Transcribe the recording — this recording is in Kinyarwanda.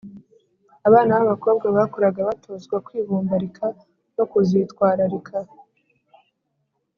abana b’abakobwa bakuraga batozwa kwibombarika no kuzitwararika